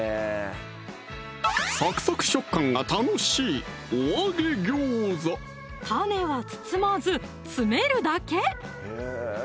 サクサク食感が楽しいタネは包まず詰めるだけ！